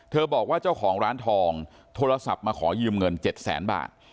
บอกว่าเจ้าของร้านทองโทรศัพท์มาขอยืมเงิน๗แสนบาท